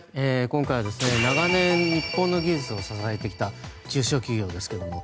今回は長年日本の技術を支えてきた中小企業です。